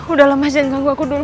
udah lama jangan ganggu aku dulu